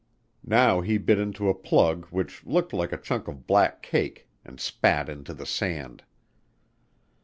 Now he bit into a plug which looked like a chunk of black cake and spat into the sand.